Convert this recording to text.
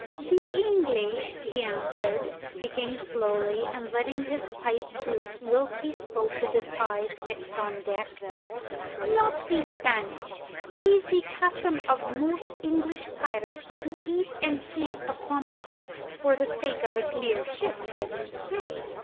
"The English," he answered, speaking slowly and letting his pipe droop whilst he spoke with his eyes fixed on deck, "not the Spanish. 'Tis the custom of most English pirates to eat and sleep upon the decks for the sake of a clear ship, as you say.